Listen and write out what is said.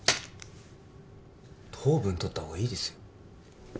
糖分とったほうがいいですよ